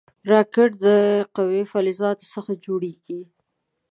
راکټ د قوي فلزاتو څخه جوړېږي